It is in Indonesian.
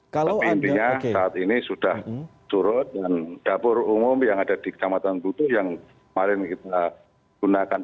tapi intinya saat ini sudah surut dan dapur umum yang ada di kecamatan butuh yang kemarin kita gunakan